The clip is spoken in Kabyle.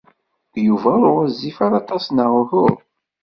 Yuba ur ɣezzif ara aṭas neɣ uhu?